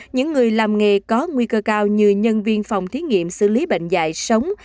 những người làm nghề có nguy cơ cao như nhân viên phòng thiết nghiệm xử lý bệnh dại sống